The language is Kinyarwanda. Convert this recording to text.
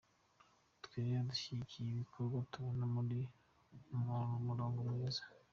Twe rero dushyigikira ibikorwa tubona biri mu murongo mwiza.